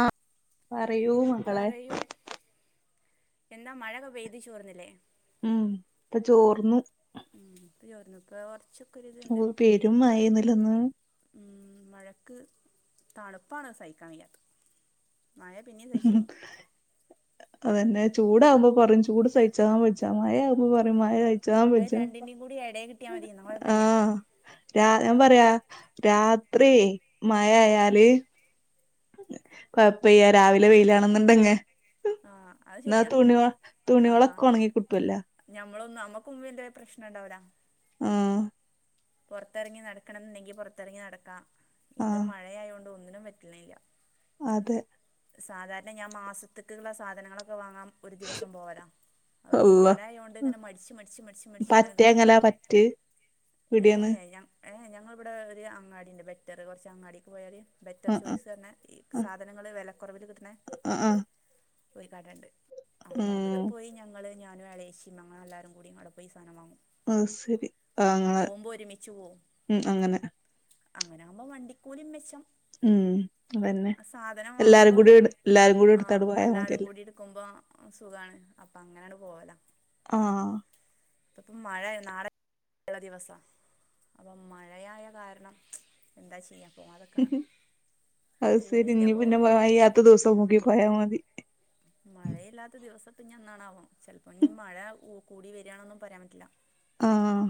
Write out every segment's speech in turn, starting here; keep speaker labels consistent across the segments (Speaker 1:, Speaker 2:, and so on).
Speaker 1: ആഹ് പറയൂ മകളെ
Speaker 2: പറയൂ എന്താ മഴക്കെ പെയ്ത് ചോർന്നില്ലേ
Speaker 1: ഉം ഇപ്പ ചോർന്നു
Speaker 2: ആഹ് പ്പചോർന്നു പ്പ കൊറച്ചു.
Speaker 1: ഓഹ് പെരും മയേന്ന്ല്ലെ ഇന്ന്?
Speaker 2: ആഹ് മഴക്ക് തണുപ്പാണ് സഹിക്കാൻ വയ്യാത്തത്.
Speaker 1: അതന്നെ ചൂടകുമ്പോ പറിം ചൂട് സഹിച്ചാൻ വജ്ജാ മയാകുമ്പോ. മ്പോ പറിം മയ സയിച്ചാൻ
Speaker 2: അത്
Speaker 1: വജ്ജാ
Speaker 2: രണ്ടിന്റെയും കൂടി ഇടയിൽ കിട്ടിയാൽ മതി എന്നാ കുഴപ്പമില്ല
Speaker 1: ആഹ്. ഞാ ഞാൻ പറ്യ രാത്രി മയ
Speaker 2: ആഹ്
Speaker 1: അയാല്. കൊയപ്യല്ല്യ രാവിലെ വെയിലാണെന്നുണ്ടങ്.
Speaker 2: ആഹ് അത്
Speaker 1: ന്നാ
Speaker 2: ശരിയാ
Speaker 1: തുണിക തുണിളൊക്കെ ഉണങ്ങി കിട്ടല്ലോ.
Speaker 2: നമ്മള് നമ്മുക്കും പിന്നെ പ്രശ്നണ്ടാവുല്ല.
Speaker 1: ആഹ്.
Speaker 2: പൊറത്തറങ്ങി നടക്കണ ന്നുണ്ടെങ്കി പൊറത്തറങ്ങി നടക്കാം ഇത്
Speaker 1: ആഹ്
Speaker 2: മഴയായോണ്ട് ഒന്നിനും പറ്റണില്ല.
Speaker 1: അതെ.
Speaker 2: സാധാരണ ഞാൻ മാസത്ത്ക്ക്ളള സാധനങ്ങളൊക്കെ വാങ്ങാം. ഒരു ദിവസം പോവലാ. അത്പ്പൊ
Speaker 1: അള്ളാ
Speaker 2: മഴയോണ്ട് ഇങ്ങനെ മടിച്ച് മടിച്ച് മടിച്ച് മടിച്ച് ഇങ്ങനെ
Speaker 1: പറ്റെ
Speaker 2: നിക്ക.
Speaker 1: എങ്ങലാ പറ്റ്
Speaker 2: ഏ
Speaker 1: ഇവിടെന്ന്
Speaker 2: ഞ ഏ ഞങ്ങൾ ഇവിടെ ഒരു അങ്ങാടിണ്ട് ബെറ്ററ് കൊറച്ച് അങ്ങാടിക്ക് പോയാല്. ബെറ്റർ
Speaker 1: ആഹ് ആഹ്
Speaker 2: ചോയ്സ് റഞ്ഞ ഈ സാധനങ്ങള് വെലക്കുറവില് കിട്ട്ണ.
Speaker 1: ആഹ് ആഹ് ആഹ്
Speaker 2: ഒയ്കടണ്ട് അപ്പൊ അവിടെ
Speaker 1: ഉം
Speaker 2: പോയി ഞങ്ങള്. ഞാനും എളേഷിം ഞങ്ങളെല്ലാരും കൂടി അടെ പോയി സാനം വാങ്ങും.
Speaker 1: ആഹ് സരി.
Speaker 2: പോവുമ്പോ ഒരുമിച്ചു പോവും
Speaker 1: അങ്ങനെ
Speaker 2: അങ്ങനാവുമ്പോ വണ്ടിക്കൂലി മെച്ചം.
Speaker 1: ഉം അതന്നെ
Speaker 2: അ സാധനം
Speaker 1: എല്ലാരും
Speaker 2: വാങ്ങുമ്പം
Speaker 1: കൂടി എടു എല്ലാരും കൂടി
Speaker 2: ആഹ്
Speaker 1: എടുത്താണ്ട് പോയാ
Speaker 2: എല്ലാരും
Speaker 1: മതിയല്ലോ
Speaker 2: കൂടി. ഇട്ക്കുമ്പോ സുഖാണ് അപ്പൊ അങ്ങനണ് പോവലാ.
Speaker 1: ആഹ്.
Speaker 2: പ്പപ്പൊ മഴായോ നാളെ. ഇള്ള ദിവസാ. അപ്പൊ മഴയായ കാരണം എന്താ ചെയ്യാ? പോവാതെക്കണം
Speaker 1: അത് സരി
Speaker 2: തോന്നില്ല
Speaker 1: ഇനി പിന്നെ
Speaker 2: പോവാൻ
Speaker 1: മഴല്ലാത്ത ദിവസം നോക്കി പോയാ മതി.
Speaker 2: മഴയില്ലാത്ത ദിവസത് ഇനിന്നാണാവോ ചെൽപ്പൊ ഇ മഴ ഊക്ക് കൂടി വെരാണന്നു പറയാൻ പറ്റില്ല.
Speaker 1: ആഹ്.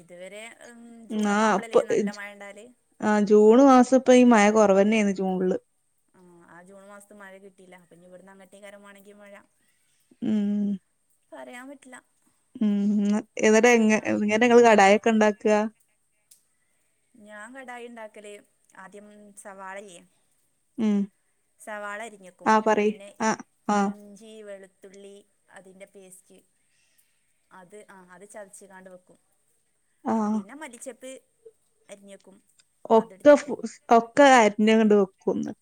Speaker 2: ഇതുവരെ ആഹ് ജൂണൊക്കെ ആവുമ്പോളല്ലേനെ നല്ല മഴ ഇണ്ടാവല്.
Speaker 1: ആഹ് ജൂണ് മാസം ഇപ്പ ഈ മഴ കുറവന്നെയിന് ജൂണില്.
Speaker 2: ആഹ് ആ ജൂൺ മാസത്ത് മഴ കിട്ടില്ല അപ്പനി ഇവിടുന്ന് അങ്ങട്ടേയ്ക്കാരം മാണെങ്കി മഴ
Speaker 1: ആഹ്.
Speaker 2: പറയാൻ പറ്റില്ല
Speaker 1: ഉം ഇന്ന ഇന്നട്ടങ്ങന
Speaker 2: തണുപ്പുള്ള
Speaker 1: ങ്ങൾ
Speaker 2: ടൈം
Speaker 1: കടായ ഒക്കെ ഇണ്ടാക്ക
Speaker 2: ഞാൻ കടായി ഇണ്ടാക്കല് ആദ്യം സവാള ല്ല്യ
Speaker 1: ഉം
Speaker 2: സവാള അരിഞ്ഞക്കും
Speaker 1: ആ പറയ്
Speaker 2: പിന്നെ
Speaker 1: ആ ആ
Speaker 2: ഇഞ്ചി വെളുത്തുള്ളി അതിൻ്റെ പേസ്റ്റ് അത് ആഹ അത് ചതച്ചങ്ങാണ്ട് വെക്കും
Speaker 1: ആഹ്
Speaker 2: പിന്നെ മല്ലിച്ചപ്പ് അരിഞ്ഞെക്കും
Speaker 1: ഒക്കെ ഒക്കെ അരിഞ്ഞങ്ങണ്ട് വെക്കുംന്ന്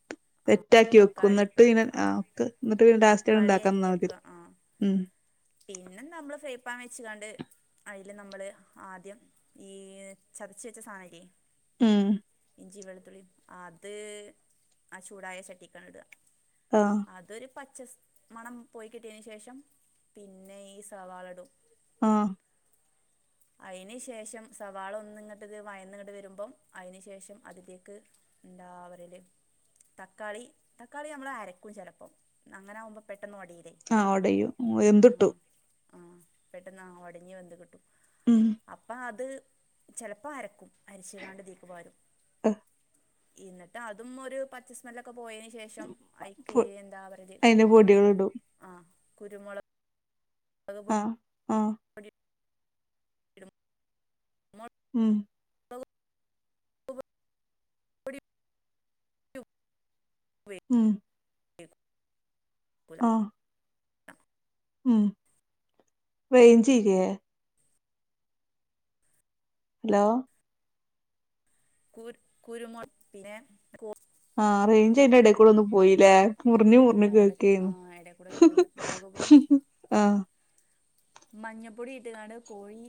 Speaker 2: ആ
Speaker 1: സെറ്റക്കി വെക്കും
Speaker 2: തക്കാളി
Speaker 1: ഇന്നട്ട് പിനെ
Speaker 2: ആ
Speaker 1: ആഹ് ഇന്നിട്ട് പി ലാസ്റ്റഡ്
Speaker 2: തക്കാളി
Speaker 1: ഇണ്ടാക്കാൻ
Speaker 2: അരിഞ്ഞ്
Speaker 1: നിന്നാമതില്ലോ
Speaker 2: വെക്കുക ആ
Speaker 1: ഉം
Speaker 2: പിന്നെ നമ്മള് ഫ്രേപ്പാൻ വെച്ച്ങ്ങാണ്ട് അയില് നമ്മള് ആദ്യം ഈ ചതച്ച വെച്ച സാധനല്ല്യ
Speaker 1: ഉം
Speaker 2: ഇഞ്ചി വെളുത്തുള്ളി അത് ആ ചൂടായ ചട്ടിക്കാണ്ടിടാ
Speaker 1: ആഹ
Speaker 2: അതൊരു പച്ച മണം പോയി കിട്ടിയതിന് ശേഷം പിന്നെ ഈ സവാളടും
Speaker 1: ആഹ്
Speaker 2: ആയിന് ശേഷം സവാള ഒന്നിങ്ങട് വഴന്നയിങ്ങട് വരുമ്പോൾ അയിനു ശേഷം അതിലേക്ക് എന്താ പറയല് തക്കാളി തക്കാളി നമ്മള് അരക്കും ചിലപ്പോം അങ്ങനെ ആകുമ്പോ പെട്ടെന്ന്ഒടയിലെ
Speaker 1: ആ ഒടയും വെന്ത് കിട്ടും
Speaker 2: ആഹ് പെട്ടെന്ന് ആ ഉടഞ്ഞ് വെന്ത് കിട്ടും
Speaker 1: ഉം
Speaker 2: അപ്പ അത് ചിലപ്പോൾ അരക്കും അരിച്ചുകാണ്ട് ഇതീക്ക് പാരും എന്നിട്ട് അതും ഒരു പച്ചസ്മല്ലൊക്കെ പോയേനശേഷം ശേഷം അയിക്ക് എന്താ പറയല്
Speaker 1: അയിന്റെ പൊടികളിടും
Speaker 2: ആഹ് കുരുമൊള [unintelligible]
Speaker 1: ആഹ് ആഹ്
Speaker 2: പൊടി [unintelligible]
Speaker 1: ഉം
Speaker 2: [unintelligible] [unintelligible]
Speaker 1: ഉം
Speaker 2: [unintelligible]
Speaker 1: ആഹ് ഉം റെയ്ഞ്ച് ഇല്ലേ ഹലോ
Speaker 2: കുരു കുരുമുള പിന്നെ
Speaker 1: ആഹ് റേഞ്ച് അയിന്റെ ഇടേക്കൂടെ ഒന്ന് പോയില്ലേ മുറിഞ്ഞ്
Speaker 2: ആ
Speaker 1: മുറിഞ്ഞു
Speaker 2: എട ആ
Speaker 1: കേക്കായിന്ന്
Speaker 2: എടേക്കൂടെ കേൾക്കുന്നുണ്ട് മുളക് പൊടിയും
Speaker 1: ആഹ്
Speaker 2: മഞ്ഞപ്പൊടി ഇട്ട്കാണ്ട് കോഴി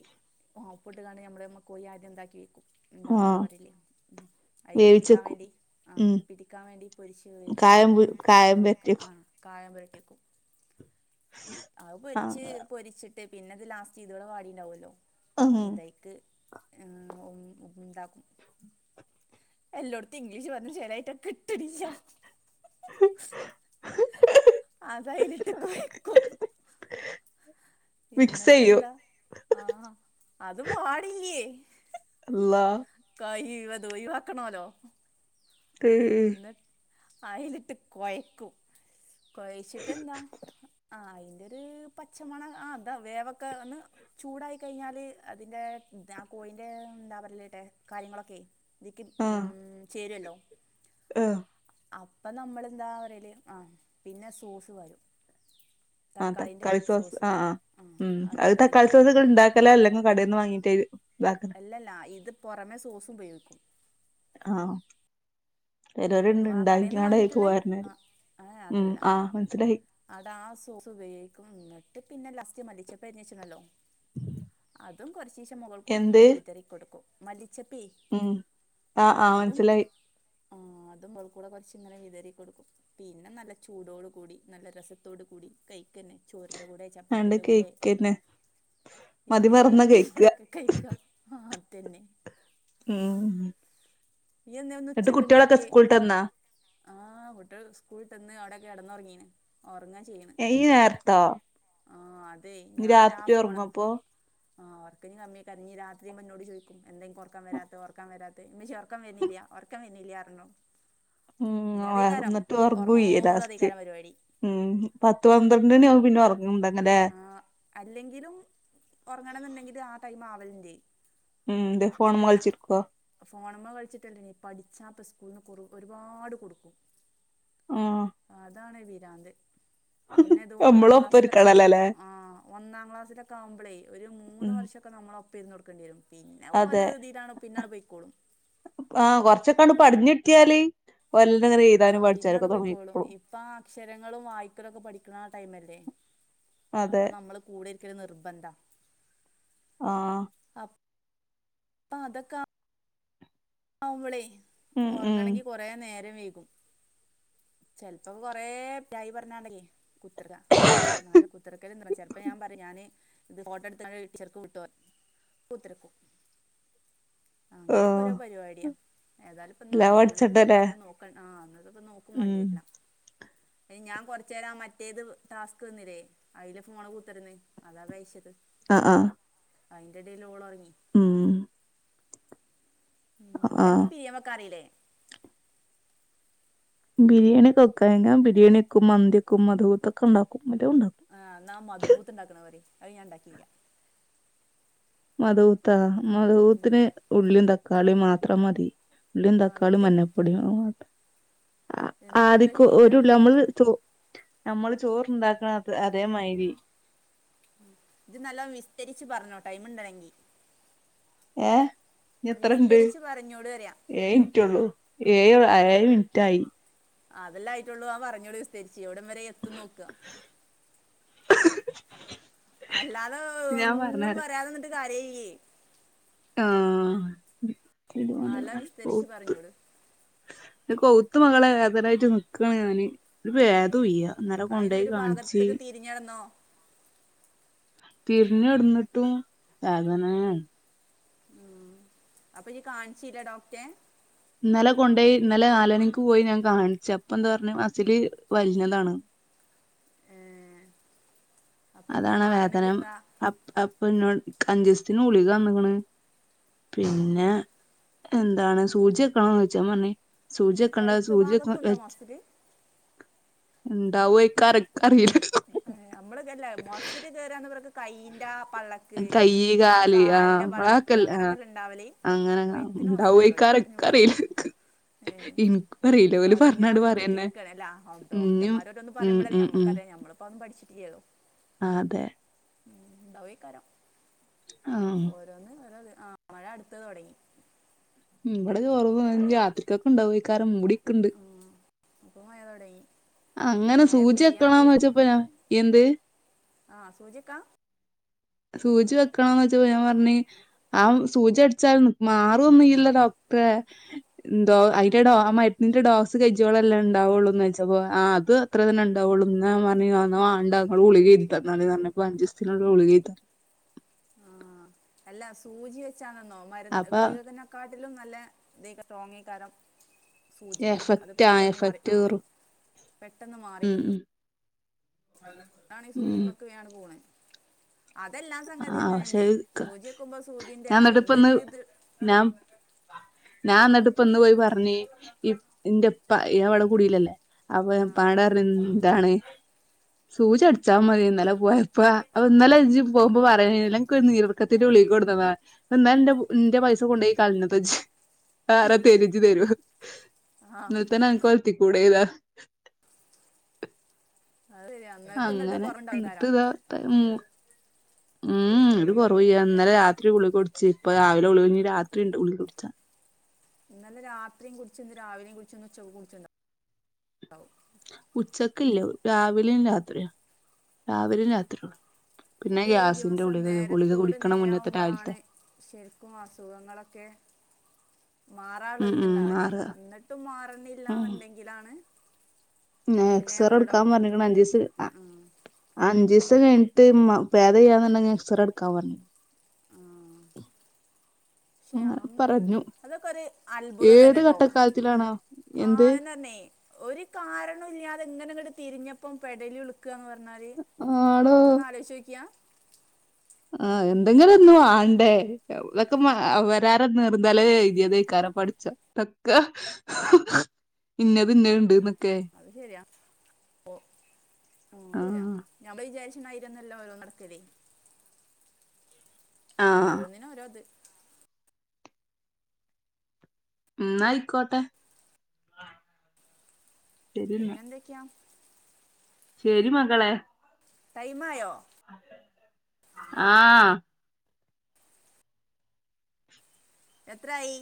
Speaker 2: ഉപ്പട്ട് കണ്ട് നമ്മള് കോഴി ആദ്യം എന്താക്കി വെക്കും എന്താ
Speaker 1: ആ
Speaker 2: പറയല് അതില് പിടിക്കാൻ
Speaker 1: വേവിച്ചെക്കും
Speaker 2: വേണ്ടി ആഹ
Speaker 1: ഉം
Speaker 2: പിടിക്കാൻ വേണ്ടി പൊരിച്ച്
Speaker 1: കായം
Speaker 2: വേവിച്ചേക്കും
Speaker 1: കായം
Speaker 2: ആ
Speaker 1: വരട്ടിയെക്കും
Speaker 2: ആഹ് കായംമ്പരട്ടി വക്കും അത്
Speaker 1: ആ
Speaker 2: പൊരിച്ച് പൊരിച്ചിട്ട് പിന്നെ ഇത് ലാസ്റ്റ് ഇതോടെ വാടിണ്ടാവല്ലോ
Speaker 1: ഉം
Speaker 2: ഇതയ്ക്ക് ഉ ഉണ്ടാക്കും എല്ലോട്ത്തും ഇംഗ്ലീഷ് പറഞ്ഞ് ചേലായിട്ട് കിട്ടുണില്ല അതായിലിട്ട്കൊഴക്കും
Speaker 1: [unintelligible] മിക്സെയ്യും
Speaker 2: എന്നിട്ട്ന്താ ആഹ് അത് വാട്ല്ല്യേ
Speaker 1: അള്ളാഹ്
Speaker 2: കഴിവതും ഒഴിവക്കണോല്ലോ
Speaker 1: ഏ
Speaker 2: എന്ന് അതിലിട്ട് കോഴക്കും കൊഴച്ചിട്ട് എന്താ ആഹ് അയിന്റെ ഇത് പച്ചമണ ആഹ് അതാ വേവക്കന്ന് ചൂടായി കഴിഞ്ഞാല് അതിന്റെ കോഴിന്റെ എന്താ പറലട്ടെ കാര്യങ്ങളൊക്കെ അതിലേക്ക് ഉം ചേരുവല്ലോ
Speaker 1: ആഹ്..,
Speaker 2: അപ്പോ നമ്മൾെന്താ പറയല്, ആഹ് പിന്നെ സോസ് വരും.
Speaker 1: ആഹ് തക്കാളി സോസ് ആഹ്, ആഹ്,
Speaker 2: ആ
Speaker 1: ഉം...,
Speaker 2: അത്
Speaker 1: തക്കാളി
Speaker 2: ഉപയോഗിക്കും
Speaker 1: സോസ്ക്കേ ഉണ്ടാ- ക്കല്ലല്ലാ കട നിന്ന് വാങ്ങിട്ട്- ഇതാക്കണം.
Speaker 2: അല്ലല്ല ഇത് പുറമെ സോസും- ഉപയോഗിക്കും.
Speaker 1: ആഹ്..., ചിലര
Speaker 2: വാ കടയിൽ നിന്ന്
Speaker 1: ഉണ്ടാക്കടായി
Speaker 2: വാങ്ങിയിട്ടുള്ള
Speaker 1: പോരുന്ന-
Speaker 2: ആ
Speaker 1: ഉം.., ആഹ് മനസ്സിലായി.
Speaker 2: അതാ ആഹാ സോസ്- ഉപയോഗിക്കും. എന്നിട്ട് പിന്നെ- ലസ്റ്റ് മല്ലിച്ചപ്പ അരിഞ്ഞച്ചണല്ലോ? അതും കുറച്ചശം മുകൾ കൂടെ-
Speaker 1: എന്ത്
Speaker 2: അങ്ങനെ വിതറിക്കൊടുക്കും. മല്ലിച്ചപ്പേ...,
Speaker 1: ഉം... ആഹ്, ആഹ്, മനസിലായി.
Speaker 2: അതു മേൾക്കൂ കുറച്ച് ഇങ്ങനെ- വിതറി കൊടുക്കും. പിന്നെ നല്ല ചൂടോട് കൂടി നല്ല- രസത്തോട് കൂടി കൈക്ക് തന്നെ- ചോറിന്റെ കൂടെ.
Speaker 1: ആണ്ട്
Speaker 2: ചപ്പാത്തിന്റെ കൂടെ-
Speaker 1: കേക്കന്നെ മതി മറന്ന
Speaker 2: എന്തിന്റെങ്കിലും
Speaker 1: കേക്ക
Speaker 2: കൂടെക്കെ- കഴിക്കാ. ആഹ്, അത് തന്നെ.
Speaker 1: ഉം..,
Speaker 2: നീ എന്നാ ഇന്ന്
Speaker 1: ന്നട്ട്
Speaker 2: ഉച്ചക്ക്-
Speaker 1: കുട്ട്യാളൊക്കെ
Speaker 2: ഉണ്ടാക്കിയ.
Speaker 1: സ്കൂൾട്ടന്നാ
Speaker 2: ആഹ് കുട്ടികൾ സ്കൂളി തിന്ന്- അവിടെ കിടന്ന്റങ്ങീന്. ഉറങ്ങാൻ ചെയ്യന്ന്
Speaker 1: ഈ നേരത്തോ
Speaker 2: ആഹ് അതെ,
Speaker 1: ഇഞ്ഞ്
Speaker 2: ഞാനാ
Speaker 1: രാത്രി
Speaker 2: ഫോണ-
Speaker 1: ഒറങ്ങോപ്പൊ
Speaker 2: ആഹ് [unintelligible] രാത്രി- എന്നോട് ചോദിക്കും എന്തെ- ഒറക്കം വരാത്ത ഓറക്കം വരാത്ത. [unintelligible] ഉറക്കം വന്നുന്നില്ല ഉറക്കം വരു- ന്നില്ല പറഞ്ഞു. ഇനി
Speaker 1: ഉം
Speaker 2: അതക്കാരം
Speaker 1: ന്നട്ട് ഒറങ്ങു ഇയ്യ്
Speaker 2: ഉറങ്ങോടും-
Speaker 1: ലാസ്റ്റ്
Speaker 2: അധക്കാരം പരിപാടി.
Speaker 1: ഉം.., പത്ത് പന്ത്രണ്ടണി ആവും- പിന്നെ ഉറങ്ങണ്ട് അങ്ങനെ,
Speaker 2: ആഹ് അല്ലെങ്കിലും ഉറങ്ങണ- എന്നുണ്ടെങ്കിൽ ആഹാ ടൈം- ആവലിന്റെ.
Speaker 1: ഉം.., ഇത് ഫോൺ മളിച്ചിക്ക.
Speaker 2: ഫോണമ്മ കളിച്ചിട്ടല്ലേ പഠിച്ചാപ്പ- സ്കൂളിന് കുറ ഒരുപാട്- കൊടുക്കും.
Speaker 1: ആഹ്
Speaker 2: അതാണ് വിരാന്ത്, പിന്നെ ഇത് ഒന്നാം ക്ലാസ്സില്-
Speaker 1: അല്ലേ, അലേ,
Speaker 2: ആഹ് ഒന്നാം ക്ലാസ്സിലൊക്കെ- ആകുമ്പ്ളേ, ഒരു മൂന്ന്- വർഷമൊക്കെ നമ്മള ഒപ്പം ഇരുന്ന്- കൊടുക്കേണ്ടി വരും പിന്നെ ഒല
Speaker 1: അതെ
Speaker 2: രീതിയിലാണ് പിന്നിട്- പോയിക്കോളും.
Speaker 1: ആഹ് കൊറച്ചൊക്കാ പടിഞ്ഞു- കിട്ടിയല്. [unintelligible]
Speaker 2: ആഹ് പിന്ന അങ്ങ്ട്- പോയിക്കോളും. ഇപ്പ അക്ഷരങ്ങളും, വായിക്കലും, ഒക്കെ പഠിക്കണ ആ ടൈംല്ലേ?
Speaker 1: അതെ
Speaker 2: അപ്പോ നമ്മള് കൂടെ- ഇരിക്കല് നിർബന്ധ.
Speaker 1: ആഹ്...,
Speaker 2: അ, അപ്പ അതൊക്ക- ആകുമ്പളേ
Speaker 1: ഉം ഉം
Speaker 2: ഉറങ്ങണങ്കി- കുറ നേരം വൈകും, ചെലപ്പോം കൊറേ [unintelligible] കുത്തക എന്നാല്, കുത്തക്കൽ- എന്ത ചിലപ്പോൾ ഞാൻ പറയും- ഞാന്- ഇത് ഫോട്ടോ എടുത്ത- [unintelligible] അങ്ങനെ-
Speaker 1: ആഹ്
Speaker 2: കുറെ- പരിപാടിയ ഏതാലും ഇപ്പോന്ന്-
Speaker 1: എല്ലാം
Speaker 2: ഉറങ്ങീണം
Speaker 1: പഠിച്ചണ്ടല്ലേ
Speaker 2: ഇന്ന് നോക്കണ്ട- ആഹ്, ഇന്ന് ഇപ്പം നോ-
Speaker 1: ഉം
Speaker 2: [unintelligible] ഞാൻ- കൊറച്ച നേരം മറ്റേത് ടാസ്ക്- തന്നില്ലേ. അയില് ഫോണ് കൂത്തിരന്ന്- അതാ അത് അയച്ചത്.
Speaker 1: ആഹ്, ആഹ്...,
Speaker 2: അയിന്റെടേലോളൊറങ്ങി.
Speaker 1: ഉം
Speaker 2: ഉം,
Speaker 1: ആഹ്
Speaker 2: തനിക്ക്ബിരിയേവെക്കാറില്ലേ?
Speaker 1: ബിരിയാണിക്കെ വെക്കാം ഞാൻ ബിരിയാണി വെക്കും മന്തി വെക്കും മദ്ഹൂത്തൊക്കെണ്ടാക്കും എല്ലതുണ്ടാക്കും
Speaker 2: ആഹ് എന്നാ ആ മദ്ഹൂത്ത്ണ്ടാക്ക്ന്നെ പറയ് അത് ഞാൻ ഇണ്ടാക്കില്ല്യാ
Speaker 1: മദ്ഹൂത്താ മദ്ഹൂത്ത്ന് ഉള്ളീം തക്കാളീം മാത്രം മതി ഉള്ളീം
Speaker 2: ആ
Speaker 1: തക്കാളീം
Speaker 2: എന്നിട്ട്
Speaker 1: മഞ്ഞ പൊടിയും മാത്രം
Speaker 2: എന്നിട്ട് എന്താ ചെയ്യാ
Speaker 1: [unintelligible] ഞമ്മള് ചോറ്ണ്ടാക്കണത് അതെ മാതിരി
Speaker 2: ഇജ്ജ് നല്ലോം വിസ്തരിച്ച് പറഞ്ഞോ ടൈമുണ്ടങ്കി
Speaker 1: ഏഹ്
Speaker 2: വിസ്തരിച്ച് പറഞ്ഞോള് പറയാ
Speaker 1: ഏയ് മിൻറ്റൊള്ളു ഏയ് ആ ഏയ് മിൻറ്റായി
Speaker 2: ആഹ് അതല്ലേ ആയിട്ടൊള്ളൂ ആഹ് പറഞ്ഞോള് വിസ്തരിച്ച് എവിടം വരെ എത്തുന്ന് നോക്ക്വാ അല്ലാതെ
Speaker 1: ഞാൻ
Speaker 2: ഒന്നും
Speaker 1: പറഞ്ഞരാ
Speaker 2: പറയാതെ നിന്നിട്ട് കാര്യല്ലേ
Speaker 1: ആഹ്
Speaker 2: ആഹ് എല്ലാം
Speaker 1: [unintelligible]
Speaker 2: വിസ്തരിച്ച്
Speaker 1: ഹൂത്ത്
Speaker 2: പറഞ്ഞോളു
Speaker 1: ന്റെ കൗത്ത്മൊകളേ വേദനായിട്ട് നിക്കാണ് ഞാന് ഒരു
Speaker 2: ഏ
Speaker 1: ഭേതൊയ്യാ ഇന്നലെ കൊണ്ടോയ് കാണിച്ച്
Speaker 2: മിനിഞ്ഞാന്നോ
Speaker 1: തിരിഞ്ഞ് കെടന്ന്ട്ടും വേദനേ
Speaker 2: അപ്പ ഇയ്യ്‌ കാണിച്ചിലെ ഡോക്ടറെ
Speaker 1: ഇന്നലെ കൊണ്ടോയി ഇന്നലെ നാല്മണിക്ക് പോയി ഞാൻ കാണിച്ച് അപ്പെന്ത് പറഞ്ഞ് മസില് വലിഞ്ഞതാണ്
Speaker 2: ഏ അപ്പൊ ഇഞ്ഞ്
Speaker 1: അതാണ് ആ
Speaker 2: മാറണെങ്കി
Speaker 1: വേദനം
Speaker 2: എന്താ
Speaker 1: അപ്പ് അപ്പൊന്നോട് ക്ക്അഞ്ചീസത്തിന് ഗുളിക തന്ന്ക്ക്ണ്
Speaker 2: ഉം
Speaker 1: പിന്നെ എന്താണ് സൂചി വെക്കണോന്നോയ്ച്ച് ഞാൻ പറഞ്ഞ് സൂചി
Speaker 2: ഏ
Speaker 1: വെക്കെണ്ടാ
Speaker 2: കൈത്ത്
Speaker 1: സൂചയൊക്കെ വെ
Speaker 2: ഭാഗത്തുണ്ടോ മസില്
Speaker 1: ഇണ്ടാവാര്ക്കും അനക്കറിയില്ലാ
Speaker 2: എഹ് ഏഹ് നമ്മള്ക്കല്ലേ മസ്സില് [unintelligible] കയ്യിന്റാ പള്ളക്ക്
Speaker 1: കയ്യ്
Speaker 2: പിന്നെ
Speaker 1: കാല് ആഹ്
Speaker 2: കാലിന്റെ പള്ളക്ക്
Speaker 1: നമ്മളൊക്കെല്ല ആഹ്
Speaker 2: അങ്ങനെക്കല്ലെ ഇണ്ടാവല്
Speaker 1: അങ്ങനെ
Speaker 2: കയ്ത്തിന് മസിലുണ്ടോ
Speaker 1: ഇണ്ടാവോയ്ക്കാരം
Speaker 2: ഇന്ക്കറിഞ്ഞൂടാ
Speaker 1: ഇക്കറീല
Speaker 2: ഏഹ്
Speaker 1: ഇൻക്കും അറീല ഓല്
Speaker 2: അത് ഞാൻ
Speaker 1: പറഞ്ഞാണ്ട്
Speaker 2: അദ്യാട്ട്
Speaker 1: പറയന്നെ
Speaker 2: കേക്കാ അല്ല
Speaker 1: ഇഞ്ഞും
Speaker 2: ഡോക്ടർമാരോരോന്ന്
Speaker 1: ഉം
Speaker 2: പറയുമ്പോഴല്ലേ
Speaker 1: ഉം
Speaker 2: ഞമ്മക്കറിയാ ഞമ്മ അപ്പോന്നും പഠിച്ചിട്ടില്ല്യേല്ലോ
Speaker 1: ആഹ് അതെ
Speaker 2: ഉം [unintelligible]
Speaker 1: ആഹ്
Speaker 2: [unintelligible] ആഹ് മഴ അടുത്തത് തൊടങ്ങി
Speaker 1: ഉം ഇവിടെ കൊർവാ ഇഞ്ഞി രാത്രികക്ക്‌ ഇണ്ടാവായിക്കാരം മൂടിക്ക്ൺണ്ട്
Speaker 2: ഉം ഇപ്പം മയ തൊടങ്ങി
Speaker 1: അങ്ങനെ സൂചി വെക്കണോന്നോയ്ച്ചപ്പം ഞാൻ എന്ത്
Speaker 2: ആഹ് സൂചി വെക്കാ
Speaker 1: സൂചി വെക്കണോന്നോയ്ച്ചപ്പോ ഞാൻ പറഞ്ഞ് അത്‌ സൂചി വെച്ചാലൊന്നും മാറ്വൊന്നൂല്ല ഡോക്ടറേ ഇന്തോ അയിന്റെ ഡോ ആ മരുന്നിന്റെ ഡോസ് കജ്ജോളല്ലേ ഇണ്ടാവുള്ളൂന്നോയ്ച്ചപ്പോ ആഹ് അത് അത്ര തന്നെണ്ടാവൊള്ളൂ എന്നാ ഞാൻ പറഞ്ഞ് അന്നാവാണ്ട ഇങ്ങള് ഗുളികേഴ്തി തന്നോള്ന്നർഞ്ഞപ്പൊ അഞ്ചീസ്ത്തിനുള്ള ഗുളികേഴ്തി
Speaker 2: ആഹ് അല്ല സൂചിവെച്ചാണെന്നോ മരുന്ന് എഹ്
Speaker 1: അപ്പൊ
Speaker 2: ഗുളിക തന്നെ കാട്ടിലും നല്ല [unintelligible] സൂചിക്ക് അത്
Speaker 1: എഫക്റ്റ് ആ
Speaker 2: പെട്ടെന്ന് മാറി
Speaker 1: എഫക്റ്റ്
Speaker 2: ആഹ്
Speaker 1: കേറും
Speaker 2: പെട്ടെന്ന്
Speaker 1: ഉം
Speaker 2: മാറിക്കിട്ടും
Speaker 1: ഉം
Speaker 2: അണീ
Speaker 1: ഉം
Speaker 2: സൂചിമ്മക്ക് വേണ് പോണ് അതെല്ലാ സംഗതി
Speaker 1: ആ പക്ഷെ
Speaker 2: അങ്ങനെന്നെ സൂചിവെക്കുമ്പോ സൂചിന്റെ അയിന്റൊര്ത്
Speaker 1: നാം ഞാന്നട്ട് ഇപ്പ ഇന്ന് പോയി പർഞ് ഇ ഇന്റെ ഇപ്പാ ഞാ ഇവട കുടീലല്ലേ അപ്പ ഞാൻ
Speaker 2: ആ
Speaker 1: ഇപ്പാനോട് പർഞ് ദാണ് സൂജി അട്ച്ചാ മത്യേനി ഇന്നലെ പോയപ്പ അപ്പം ഇന്നലെ ഇജ്ജ് പോവുമ്പ പറയാ [unintelligible] ഇൻക്കൊര് നീരർക്കത്തിന്റെ ഗുളിക കൊട്ന്നതാ. ന്നാ ഇന്റെ ഇന്റെ പൈസ കൊണ്ടയി കൾഞത് ചോയിച് ആരാ തര ഇജ്ജ് തെരോ
Speaker 2: ആ
Speaker 1: ഇന്നൽ തന്നെ അൻക്ക് [unintelligible]
Speaker 2: അത് ശരിയാ
Speaker 1: അങ്ങനെ എന്ന്ട്ട് താ [unintelligible] ഉം ഉം ഒരു കൊർവുയ്യ ഇന്നലെ രാത്രി ഗുളിക കുട്ച് ഇപ്പൊ രാവിലെ ഗുളിക ഇഞ് രാത്രി ഇണ്ട് ഗുളിക കുട്ച്ചാൻ.
Speaker 2: ഇന്നലെ രാത്രി കുട്ച്ച് ഇന്ന് രാവിലേം കുട്ച്ച് ഇന്ന് ഉച്ചക്കും കുടിച്ണ്ടാണ്ടാവും
Speaker 1: ഉച്ചക്ക്ല്ല രാവിലിം രാത്രി രാവിലിം രാത്രിയൊള്ളു.
Speaker 2: ഒരു ദിവസം നേരത്തോട്
Speaker 1: കുടിക്കണ മുന്നത്തെ രാവിലത്തെ
Speaker 2: നേരാവുമ്പളാണ് ശരിക്കും അസുഖങ്ങളൊക്കെ.
Speaker 1: ഉം
Speaker 2: മാറാള്ളൊര്
Speaker 1: ഉം
Speaker 2: ഇത്ണ്ടാവുലെ
Speaker 1: മാറാ
Speaker 2: ന്നട്ടും മാർണില്ലാന്ന്ണ്ടങ്കിലാണ്
Speaker 1: ഉം എക്സറെട്ക്കാം പർഞ്ഞിക്ക്ണ് അഞ്ചിസ്
Speaker 2: ആ
Speaker 1: അഞ്ജീസം കൈഞ്ട്ട് മ പേതയ്യാന്ന്ണ്ടങ്കി എക്സറ ഇട്ക്കാം പർഞ്ഞി
Speaker 2: ആ. പക്ഷെ
Speaker 1: അങ്ങനെ
Speaker 2: ആം
Speaker 1: പറഞ്ഞു
Speaker 2: അതൊക്കൊര് അത്ഭുതം
Speaker 1: ഏത്
Speaker 2: തന്നെട്ടോ.
Speaker 1: ഘട്ടക്കാലത്തിലാണോ
Speaker 2: ആ
Speaker 1: എന്ത്
Speaker 2: [unintelligible] ഒര് കാരണുല്ല്യാതെ ഇങ്ങനെ ഇങ്ങട്ട് തിരിഞ്ഞപ്പം പെടല്യുൾ ക്ക ന്ന് പർഞ്ഞാല്
Speaker 1: ആടോ
Speaker 2: ഇതന്ന് ആലോയ്ച്ചോക്ക്യാ.
Speaker 1: ആ എന്തെങ്കിലൊന്ന് വാണ്ടേ. ഇതക്ക അവരാരെ [unintelligible] എയ്തിയതേക്കാരം പട്ച്ചോ തൊക്ക. ഇന്നത് ഇന്നെൽ ഇണ്ട്ന്നൊക്കെ.
Speaker 2: അത് ശരിയാ ഓ. ഓ
Speaker 1: ആ
Speaker 2: അത് ശരിയാ ഞമ്മള് വിചാരിച്ണ മായിര്യൊന്നല്ല ഓരോന്ന് നടക്കലെ.
Speaker 1: ആ
Speaker 2: ഓരോന്നിന് ഓരോ ത്
Speaker 1: ന്നാ അയിക്കോട്ടെ.
Speaker 2: പിന്നെ എന്തൊക്യാ
Speaker 1: ശരി മകളെ.
Speaker 2: ടൈമായോ
Speaker 1: ആ
Speaker 2: എത്രായി